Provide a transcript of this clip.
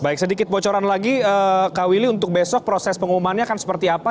baik sedikit bocoran lagi kak willy untuk besok proses pengumumannya akan seperti apa